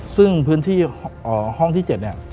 ซึ่งพื้นที่ห้องที่๗เนี่ย